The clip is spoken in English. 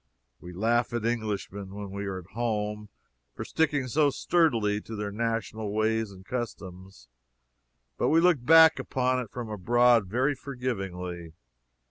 We laugh at Englishmen, when we are at home, for sticking so sturdily to their national ways and customs, but we look back upon it from abroad very forgivingly.